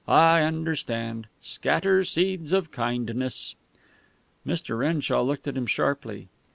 "I understand. Scatter seeds of kindness." Mr. Renshaw looked at him sharply.